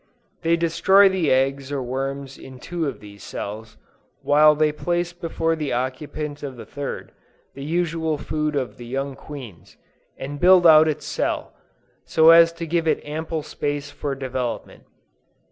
They destroy the eggs or worms in two of these cells, while they place before the occupant of the third, the usual food of the young queens, and build out its cell, so as to give it ample space for development.